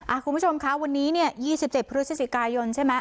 อ่าคุณผู้ชมคะวันนี้เนี่ยยี่สิบเจ็ดพฤศจิกายนใช่ไหม